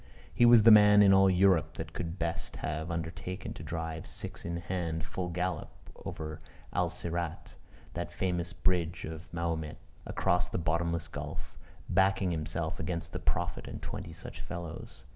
He was the man in all Europe that could best have undertaken to drive six in hand full gallop over Al Sirat that famous bridge of Mahomet across the bottomless gulf, backing himself against the Prophet and twenty such fellows.